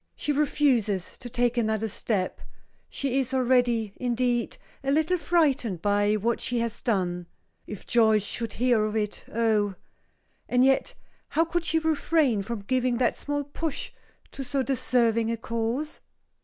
She refuses to take another step; she is already, indeed, a little frightened by what she has done If Joyce should hear of it oh And yet how could she refrain from giving that small push to so deserving a cause?